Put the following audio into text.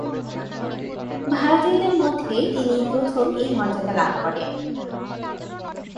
ভারতীয়দের মধ্যে তিনিই প্রথম এই মর্যাদা লাভ করেন।